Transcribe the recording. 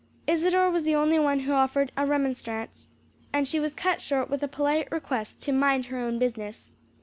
Isadore was the only one who offered a remonstrance, and she was cut short with a polite request to "mind her own business."